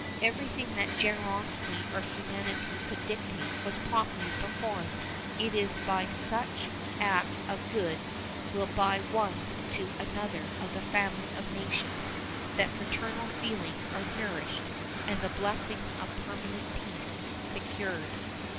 Everything that generosity or humanity could dictate was promptly performed. It is by such acts of good will by one to another of the family of nations that fraternal feelings are nourished and the blessings of permanent peace secured.